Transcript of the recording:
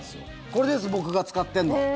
これです、僕が使ってるの。